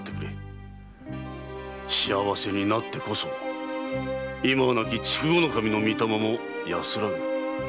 幸せになってこそ今は亡き筑後守の御霊も安らぐ。